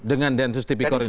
dengan densus tipikor ini